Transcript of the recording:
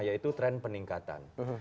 yaitu tren peningkatan